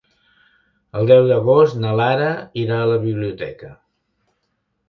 El deu d'agost na Lara irà a la biblioteca.